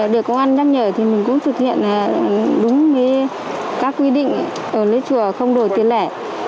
được công an nhắc nhở thì mình cũng thực hiện đúng với các quy định ở lễ chùa không đổi tiền lẻ